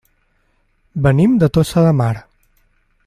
Venim de Tossa de Mar.